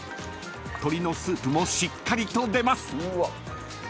［鶏のスープもしっかりと出ます］